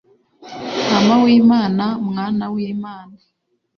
ntama w'imana, mwana w'imana